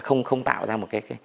không không tạo ra một cái